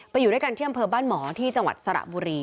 ไปอยู่ด้วยกันเที่ยมเพิ่มบ้านหมอที่จังหวัดสระบุรี